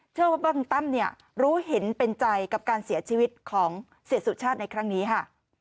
เชื่อว่าบังตั้มเนี่ยรู้เห็นเป็นใจกับการเสียชีวิตของเสียสุชาติในครั้งนี้ค่ะ